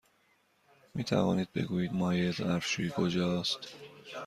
می توانید بگویید مایع ظرف شویی کجاست؟